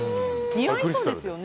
似合いそうですよね。